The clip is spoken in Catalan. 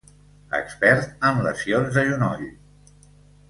Expert en lesions de genoll.